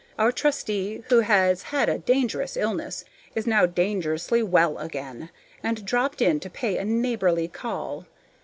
Our trustee, who has had a dangerous illness, is now dangerously well again, and dropped in to pay a neighborly call.